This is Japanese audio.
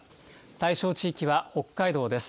対象地域は北海道です。